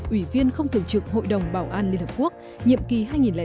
ủy viên không thường trực hội đồng bảo an liên hợp quốc nhiệm kỳ hai nghìn tám hai nghìn chín